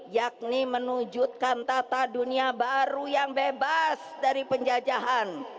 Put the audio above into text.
yakni menunjukkan tata dunia baru yang bebas dari penjajahan